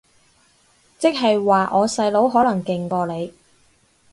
即係話我細佬可能勁過你